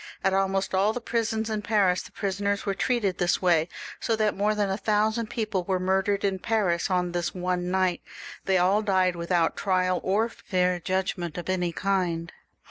At almost all the prisons in Paris the prisoners were treated in this way, so that more than a thousand people were murdered in Paris on this one night. They all died without trial or fair judgment of any kind.